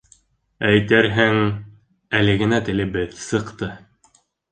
Әйтерһең, әле генә телебеҙ сыҡты.